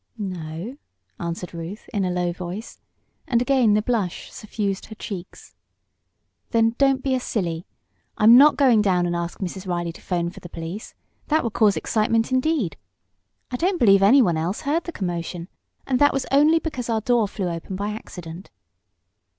"No," answered Ruth, in a low voice, and again the blush suffused her cheeks. "Then don't be a silly. I'm not going down and ask Mrs. Reilley to 'phone for the police. That would cause excitement indeed. I don't believe anyone else heard the commotion, and that was only because our door flew open by accident."